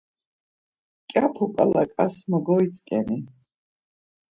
Mǩyapu ǩala ǩasma kogeitzǩeni?